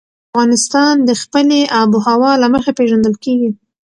افغانستان د خپلې آب وهوا له مخې پېژندل کېږي.